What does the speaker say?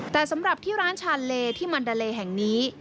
แต่สำหรับที่ร้านชานเลที่มันดาเลแห่งนี้